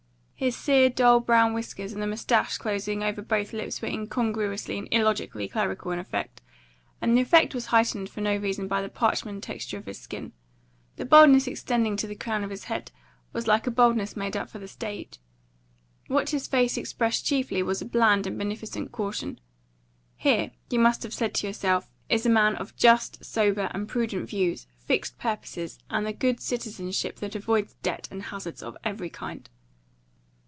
His sere, dull brown whiskers and the moustache closing over both lips were incongruously and illogically clerical in effect, and the effect was heightened for no reason by the parchment texture of his skin; the baldness extending to the crown of his head was like a baldness made up for the stage. What his face expressed chiefly was a bland and beneficent caution. Here, you must have said to yourself, is a man of just, sober, and prudent views, fixed purposes, and the good citizenship that avoids debt and hazard of every kind.